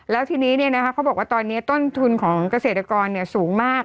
แล้วทีนี้เนี่ยนะคะเค้าบอกว่าตอนนี้ต้นทุนของเกษตรกรเนี่ยสูงมาก